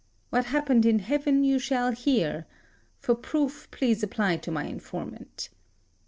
What happened in heaven you shall hear: for proof please apply to my informant.